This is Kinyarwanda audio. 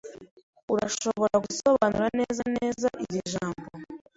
Urashobora gusobanura neza neza iri jambo?